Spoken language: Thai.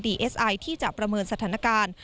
เอสไอที่จะประเมินสถานการณ์